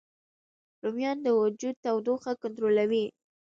رومیان د وجود تودوخه کنټرولوي